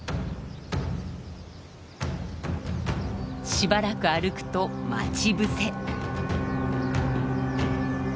しばらく歩くと待ち伏せ。